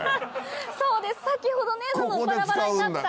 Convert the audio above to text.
そうです先ほどバラバラになった。